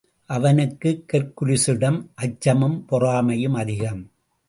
அவனுக்கு ஹெர்க்குலிஸிடம் அச்சமும் பொறாமையும் அதிகம்.